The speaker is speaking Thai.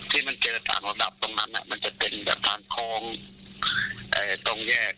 ที่มันเจอต่างระดับตรงนั้นมันจะเป็นแบบทางโค้งตรงแยก